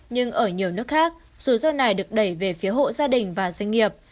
nhưng ở nhiều nước khác rủi ro này được đẩy về phía hộ gia đình và doanh nghiệp